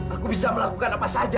aku bisa melakukan apa saja